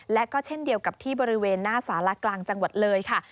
และก็เช่นเดียวกับที่บริเวณหน้าสารกลางจังหวัดเลยค่ะ